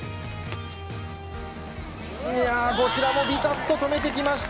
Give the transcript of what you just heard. こちらもビタッと止めてきました。